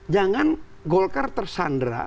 jangan golkar tersandra